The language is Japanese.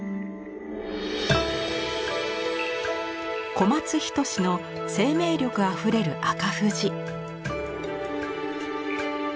小松均の生命力あふれる赤富士。